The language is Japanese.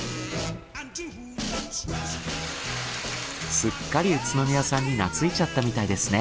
すっかり宇都宮さんに懐いちゃったみたいですね。